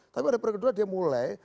tapi pada periode kedua dia mulai